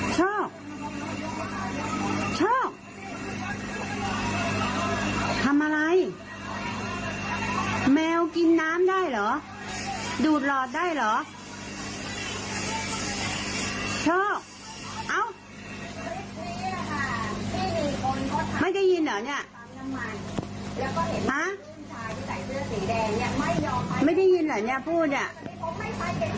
ชอบชอบทำอะไรแมวกินน้ำได้เหรอดูดหลอดได้เหรอชอบไม่ได้ยินหรอเนี่ยไม่ได้ยินหรอเนี่ยพูดอ่ะทำอะไร